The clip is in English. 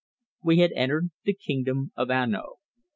We had entered the kingdom of Anno.